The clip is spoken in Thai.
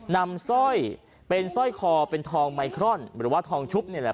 สร้อยเป็นสร้อยคอเป็นทองไมครอนหรือว่าทองชุบนี่แหละ